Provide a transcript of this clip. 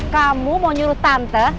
kamu mau nyuruh tante